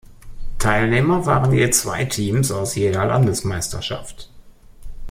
Teilnehmer waren je zwei Teams aus jeder Landesmeisterschaft.